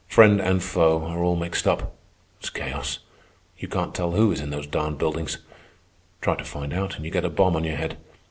Friend and foe are all mixed up. It's chaos. You can't tell who is in those darned buildings. Try to find out, and you get a bomb on your head.